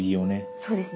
そうですね。